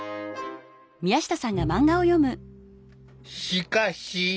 しかし。